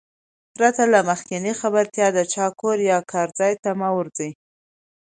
پرته له مخکينۍ خبرتيا د چا کور يا کار ځاى ته مه ورځٸ.